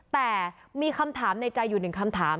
แต่มีคำถามในใจอยู่หนึ่งคำถาม